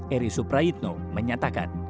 erie supra yitno menyatakan